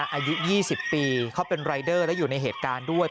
อายุ๒๐ปีเขาเป็นรายเดอร์และอยู่ในเหตุการณ์ด้วย